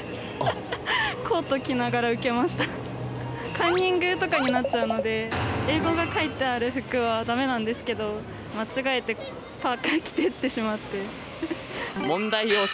カンニングとかになっちゃうので英語が書いてある服はダメなんですけど間違えてパーカー着ていってしまって。